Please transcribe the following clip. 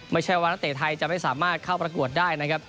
ไม่ใช่ว่านักเตะไทยจะไม่สามารถเข้าประกวดได้นะครับ